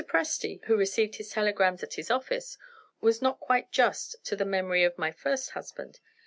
Presty (who received his telegrams at his office) was not quite just to the memory of my first husband.